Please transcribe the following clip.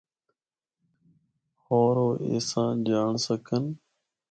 ہور او اس آں جانڑ سکّن۔